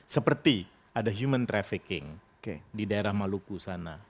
seperti ada human trafficking di daerah maluku sana